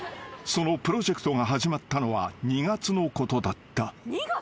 ［そのプロジェクトが始まったのは２月のことだった］